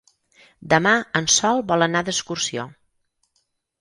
Demà en Sol vol anar d'excursió.